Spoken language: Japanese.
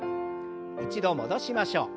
一度戻しましょう。